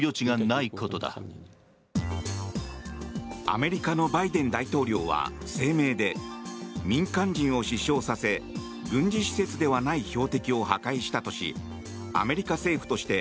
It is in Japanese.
アメリカのバイデン大統領は声明で民間人を死傷させ軍事施設ではない標的を破壊したとしアメリカ政府として